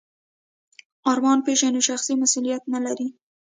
ارمان پيژو شخصي مسوولیت نهلري.